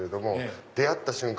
出会った瞬間